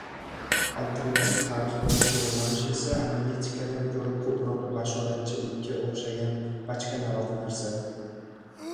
Alternativ tarix bilan shugʻullanish esa analitikadan koʻra koʻproq bashoratchilikka oʻxshagan bachkanaroq narsa.